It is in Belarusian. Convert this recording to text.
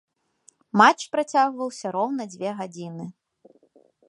Матч працягваўся роўна дзве гадзіны.